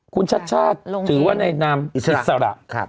คุณชัดชาติถือว่าในนามอิสระ